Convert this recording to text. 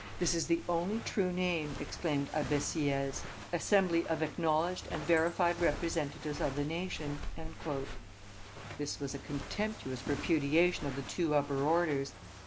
"This is the only true name," exclaimed Abbe Sieyes; "assembly of acknowledged and verified representatives of the nation." This was a contemptuous repudiation of the two upper orders.